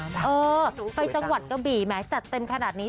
ใช่ไม่รู้สวยตังค่ะไปจังหวัดกะบี่แม้จัดเต็มขนาดนี้